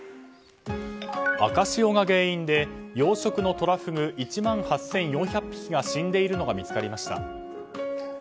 赤潮が原因で養殖のトラフグ１万８４００匹が死んでいるのが見つかりました。